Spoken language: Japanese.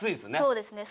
そうですね。